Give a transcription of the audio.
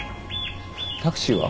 タクシーは？